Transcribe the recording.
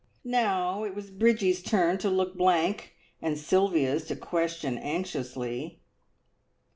Now it was Bridgie's turn to look blank, and Sylvia's to question anxiously.